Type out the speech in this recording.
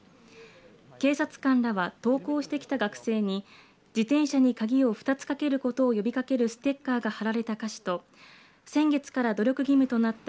警察官らは登校してきた学生に自転車に鍵を二つかけることを呼びかけるステッカーが貼られたお菓子と先月から努力義務となった